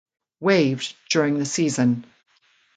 Waived during the season